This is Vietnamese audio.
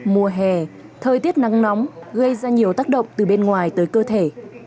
mùa hè thời tiết nắng nóng gây ra nhiều tác động từ bên ngoài tới cơ thể